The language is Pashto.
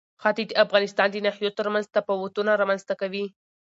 ښتې د افغانستان د ناحیو ترمنځ تفاوتونه رامنځ ته کوي.